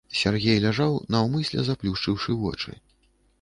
Сяргей ляжаў, наўмысля заплюшчыўшы вочы.